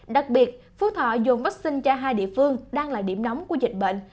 đặc biệt phú thọ dùng vaccine cho hai địa phương đang là điểm nóng của dịch bệnh